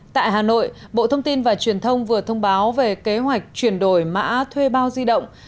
tại hà nội bộ thông tin và truyền thông vừa thông báo về kế hoạch chuyển đổi mã thuê bao di động